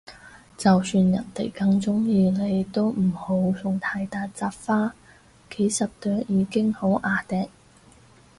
就算人哋哽鍾意你都唔好送太大紮花，幾十朵已經好椏掟